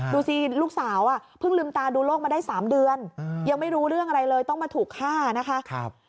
ดูสิลูกสาวเพิ่งลืมตาดูโลกมาได้๓เดือนยังไม่รู้เรื่องอะไรเลยต้องมาถูกฆ่านะคะ